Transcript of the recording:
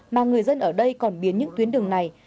mà người dân ở đây còn biến những tuyến đường này